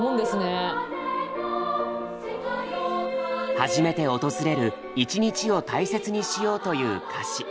初めて訪れる「いちにち」を大切にしようという歌詞。